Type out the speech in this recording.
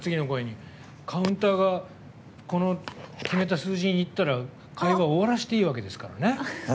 カウンターがこの決めた数字にいったら会話を終わらせていいわけですから。